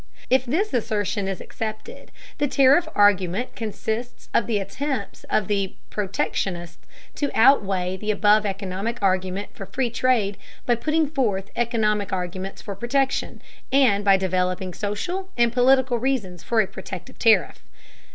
If this assertion is accepted, the tariff argument consists of the attempts of the protectionist to outweigh the above economic argument for free trade by putting forth economic arguments for protection, and by developing social and political reasons for a protective tariff.